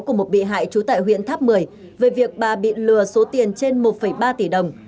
của một bị hại trú tại huyện tháp một mươi về việc bà bị lừa số tiền trên một ba tỷ đồng